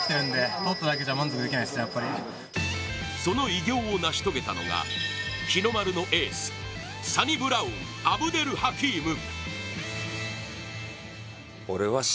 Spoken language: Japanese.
その偉業を成し遂げたのが日の丸のエースサニブラウン・アブデルハキーム。